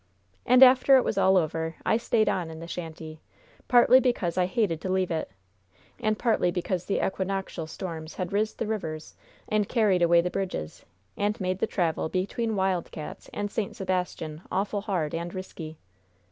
And, after it was all over, I stayed on in the shanty, partly because I hated to leave it, and partly because the equinoctial storms had ris' the rivers and carried away the bridges, and made the travel between Wild Cats and St. Sebastian awful hard and risky.